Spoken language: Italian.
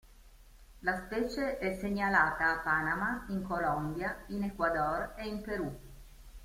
La specie è segnalata a Panama, in Colombia, in Ecuador e in Perù.